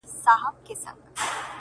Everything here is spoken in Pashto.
• مرغه نه سي څوک یوازي په هګیو,